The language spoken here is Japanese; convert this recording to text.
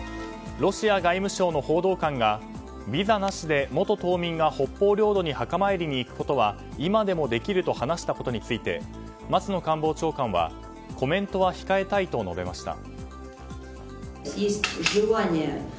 ロシア外務省の報道官がビザなしで元島民が北方領土に墓参りに行くことは今でもできると話したことについて松野官房長官はコメントは控えたいと述べました。